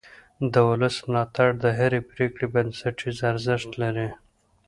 د ولس ملاتړ د هرې پرېکړې بنسټیز ارزښت لري